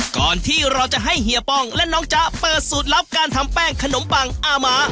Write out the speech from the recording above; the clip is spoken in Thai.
ก่อนที่เราจะให้เฮียป้องและน้องจ๊ะเปิดสูตรลับการทำแป้งขนมปังอาม้า